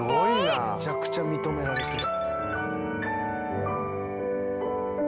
めちゃくちゃ認められてる。